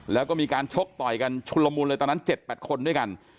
แล้วก็มีการชกต่อยกันชุนละมุนเลยตอนนั้น๗๘คนด้วยกัน